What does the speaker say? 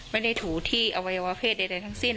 ถูที่อวัยวะเพศใดทั้งสิ้น